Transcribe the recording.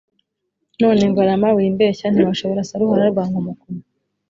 None Ngarama wimbeshya, ntiwashobora Saruhara rwa Nkomokomo,